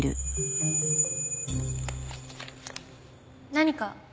何か？